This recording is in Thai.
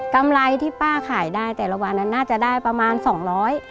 กำไรที่ป้าขายได้แต่ละวันนั้นน่าจะได้ประมาณสองร้อย